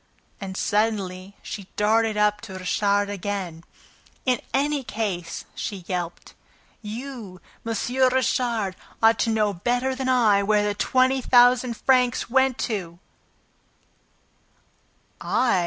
And, suddenly, she darted up to Richard again. "In any case," she yelped, "you, M. Richard, ought to know better than I where the twenty thousand francs went to!" "I?"